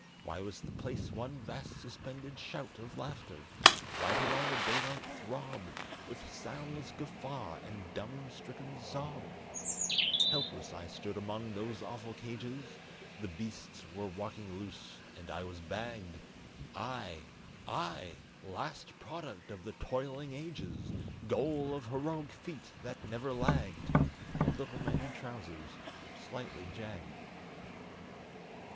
Why was the place one vast suspended shout Of laughter? Why did all the daylight throb With soundless guffaw and dumb stricken sob? Helpless I stood among those awful cages; The beasts were walking loose, and I was bagged! I, I, last product of the toiling ages, Goal of heroic feet that never lagged A little man in trousers, slightly jagged.